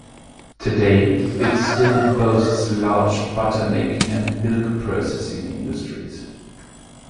Today, it still boasts large butter making and milk processing industries.